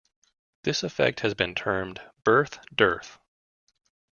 This effect has been termed birth dearth.